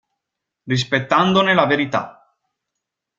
Rispettandone la verità.